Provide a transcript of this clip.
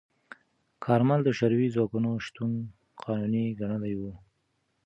کارمل د شوروي ځواکونو شتون قانوني ګڼلی و.